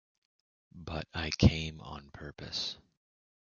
But I came on purpose.